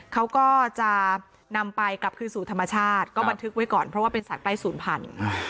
เขาก็จะนำไปกลับคืนสู่ธรรมชาติก็บันทึกไว้ก่อนเพราะว่าเป็นสัตว์ใต้ศูนย์พันธุ์